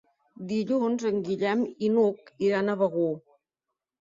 Dilluns en Guillem i n'Hug iran a Begur.